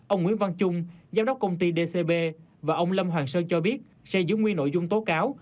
ông nguyễn văn trung giám đốc công ty dcb và ông lâm hoàng sơn cho biết sẽ giữ nguyên nội dung tố cáo